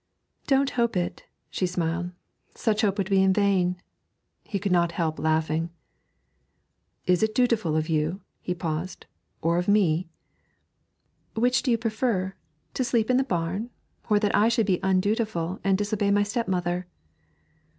'Don't hope it,' she smiled 'such hope would be vain.' He could not help laughing. 'Is it dutiful then of you' he paused 'or of me?' 'Which do you prefer to sleep in the barn, or that I should be undutiful and disobey my stepmother?'